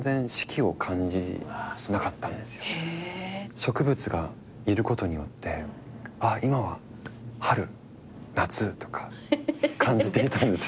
植物がいることによってあっ今は春夏とか感じていたんですよ。